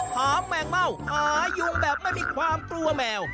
หาแมงเม่าหายุงแบบไม่มีความกลัวแมว